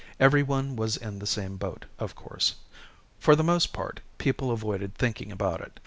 Everyone was in the same boat, of course. For the most part, people avoided thinking about it.